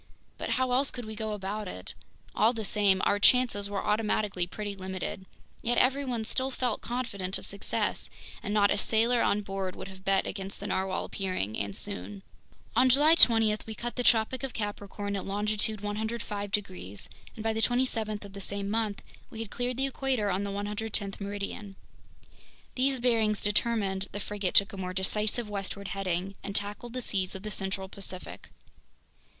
But how else could we go about it? All the same, our chances were automatically pretty limited. Yet everyone still felt confident of success, and not a sailor on board would have bet against the narwhale appearing, and soon. On July 20 we cut the Tropic of Capricorn at longitude 105 degrees, and by the 27th of the same month, we had cleared the equator on the 110th meridian. These bearings determined, the frigate took a more decisive westward heading and tackled the seas of the central Pacific.